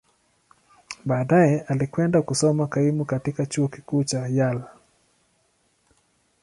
Baadaye, alikwenda kusoma kaimu katika Chuo Kikuu cha Yale.